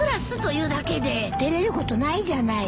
照れることないじゃない。